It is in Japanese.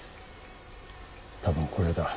多分これだ。